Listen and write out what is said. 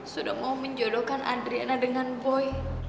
sudah mau menjodohkan adriana dengan boy